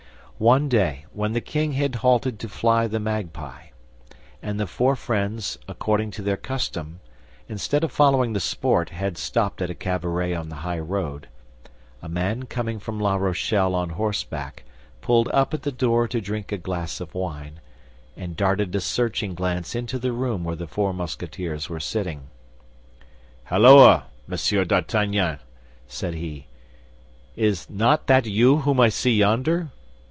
One day, when the king had halted to fly the magpie, and the four friends, according to their custom, instead of following the sport had stopped at a cabaret on the high road, a man coming from la Rochelle on horseback pulled up at the door to drink a glass of wine, and darted a searching glance into the room where the four Musketeers were sitting. "Holloa, Monsieur d'Artagnan!" said he, "is not that you whom I see yonder?"